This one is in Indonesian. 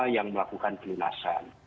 yang melakukan perlunasan